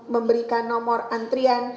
memberikan nomor antrian